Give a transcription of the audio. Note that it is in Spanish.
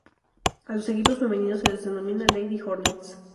A los equipos femeninos se les denomina "Lady Hornets".